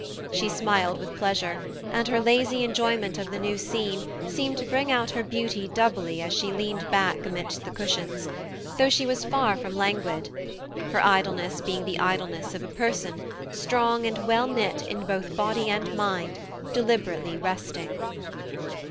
She smiled with pleasure, and her lazy enjoyment of the new scene seemed to bring out her beauty doubly as she leaned back amidst the cushions, though she was far from languid; her idleness being the idleness of a person, strong and well knit both in body and mind, deliberately resting.